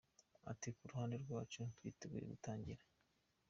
Ati” Ku ruhande rwacu twiteguye gutangira.